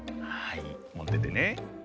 はいもっててね。